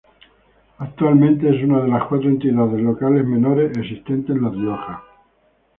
Actualmente es una de las cuatro entidades locales menores existentes en La Rioja.